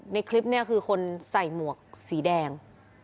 ในคลิปเนี่ยคือคนใส่หมวกสีแดง